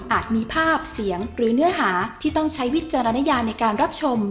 มีภาพเสียงหรือเนื้อหาที่ต้องใช้วิจารณญาในการรับชม